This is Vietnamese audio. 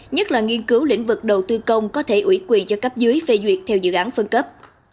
nhất là nghiên cứu lĩnh vực đầu tư công có thể ủy quyền cho cấp dưới phê duyệt theo dự án phân cấp